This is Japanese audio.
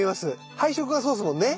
配色がそうですもんね。